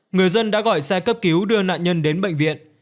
người dân đã gọi xe cấp cứu đưa nạn nhân đến bệnh viện